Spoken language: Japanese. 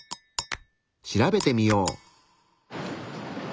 調べてみよう。